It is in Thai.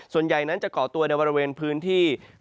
ส่วนใหญ่นั้นจะก่อตัวในบริเวณพื้นที่